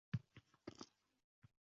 Shunday ekan, hech kimni alday olmayman.